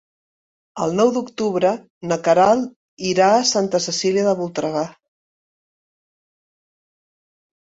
El nou d'octubre na Queralt irà a Santa Cecília de Voltregà.